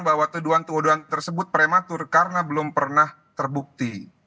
bahwa tuduhan tuduhan tersebut prematur karena belum pernah terbukti